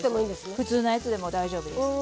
普通のやつでもいいんですね。